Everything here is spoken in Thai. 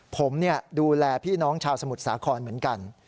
ผมดูแลพี่น้องชาวสมุทรสาครเหมือนกัน